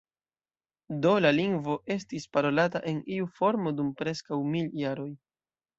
Do la lingvo estis parolata en iu formo dum preskaŭ mil jaroj.